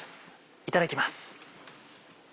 いただきます。